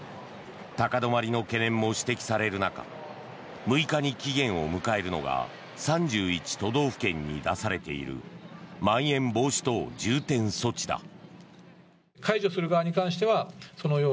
高止まりの懸念も指摘される中６日に期限を迎えるのが３１都道府県に出されているまん延防止等重点措置だ。